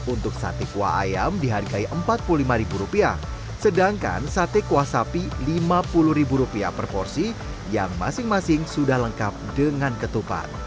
untuk sate kuah ayam dihargai rp empat puluh lima sedangkan sate kuah sapi rp lima puluh per porsi yang masing masing sudah lengkap dengan ketupat